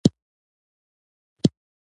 د افغانستان ټول تاریخ ښودلې ده.